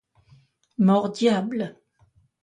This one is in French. Mort-diable!